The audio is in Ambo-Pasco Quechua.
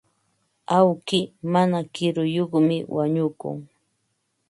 Awki mana kiruyuqmi wañukun.